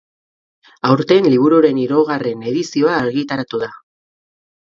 Aurten libururen hirugarren edizioa argitaratu da.